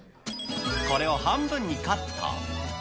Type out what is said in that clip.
これを半分にカット。